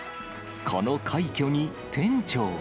この快挙に店長は。